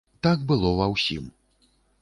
Так было ва ўсім.